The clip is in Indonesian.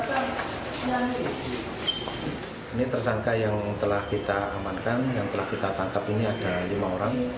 ini tersangka yang telah kita amankan yang telah kita tangkap ini ada lima orang